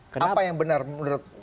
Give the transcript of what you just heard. kenapa yang benar menurut